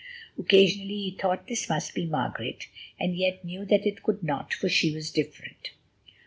Occasionally he thought that this must be Margaret, and yet knew that it could not, for she was different.